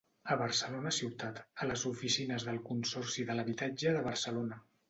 A Barcelona ciutat, a les oficines del Consorci de l'Habitatge de Barcelona.